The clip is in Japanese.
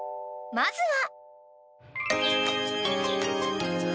［まずは］